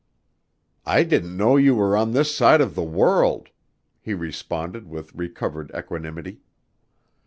"I didn't know you were on this side of the world," he responded with recovered equanimity.